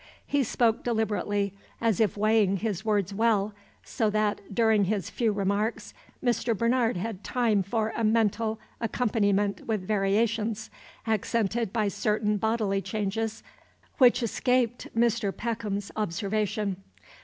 He spoke deliberately, as if weighing his words well, so that, during his few remarks, Mr. Bernard had time for a mental accompaniment with variations, accented by certain bodily changes, which escaped Mr. Peckham's observation.